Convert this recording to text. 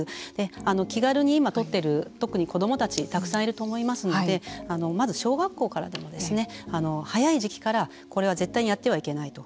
今、気軽に撮っている特に子どもたちたくさんいると思いますのでまず小学校からでも早い時期からこれは絶対にやってはいけないと。